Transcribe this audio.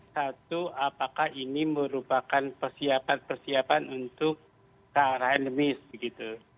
satu apakah ini merupakan persiapan persiapan untuk ke arah endemis begitu